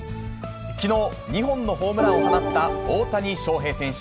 きのう、２本のホームランを放った大谷翔平選手。